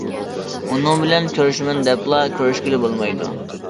ئۇنىڭ بىلەن كۆرۈشىمەن دەپلا كۆرۈشكىلى بولمايدۇ.